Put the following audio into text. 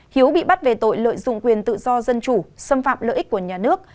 hiếu bị bắt về tội lợi dụng quyền tự do dân chủ xâm phạm lợi ích của nhà nước